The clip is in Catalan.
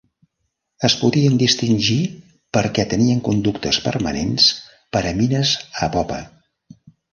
Es podien distingir perquè tenien conductes permanents per a mines a popa.